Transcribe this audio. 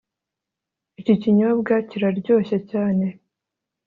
Iki kinyobwa kiraryoshye cyane